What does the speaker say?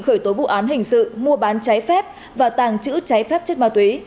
khởi tố vụ án hình sự mua bán trái phép và tàng trữ trái phép chất ma túy